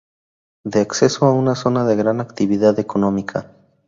Da acceso a una zona de gran actividad económica.